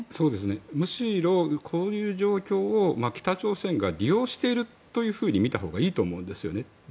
むしろこういう状況を北朝鮮が利用していると見たほうがいいと思うんですね。